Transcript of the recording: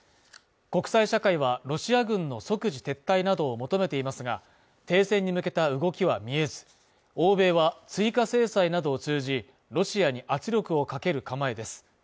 国際社会はロシア軍の即時撤退などを求めていますが、停戦に向けた動きは見えず、欧米は追加制裁などを通じ、ロシアに圧力をかける構えです。